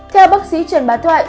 theo bác sĩ trần bá thoại